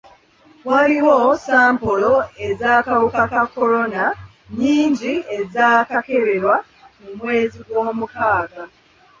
Waliwo sampolo z'akawuka ka kolona nnyingi ezaakeberebwa mu mwezi gwomukaaga.